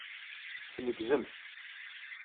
Tneggzemt.